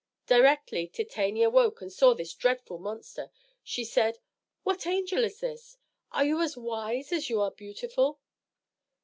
Directly Titania woke and saw this dreadful monster, she said, "What angel is this? Are you as wise as you are beautiful?"